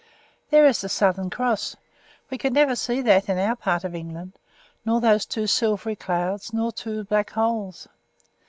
There is the Southern Cross; we could never see that in our part of England, nor those two silvery clouds, nor the two black holes.